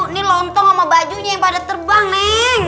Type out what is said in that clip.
ini lontong sama bajunya yang pada terbang nih